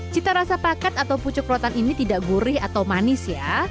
cita rasa pakat atau pucuk rotan ini tidak gurih atau manis ya